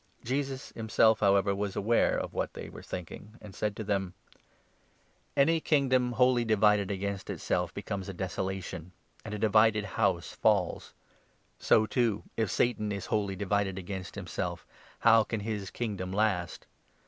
by the Help Jesus himself, however, was aware of what they 17 of Satan. were thinking, and said to them : "Any kingdom wholly divided against itself becomes a desolation ; and a divided house falls. So, too, if Satan is 18 wholly divided against himself, how can his kingdom last